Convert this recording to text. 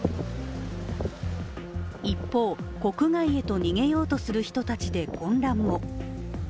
一方、国外へと逃げようとする人たちで混乱も。